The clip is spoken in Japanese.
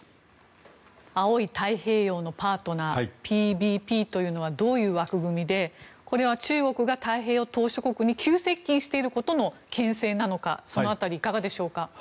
青い太平洋のパートナーＰＢＰというのはどういう枠組みでこれは中国が太平洋島しょ国に急接近していることの牽制なのかその辺りいかがでしょうか。